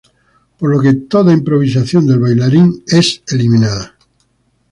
Por lo que toda improvisación del bailarín es eliminada.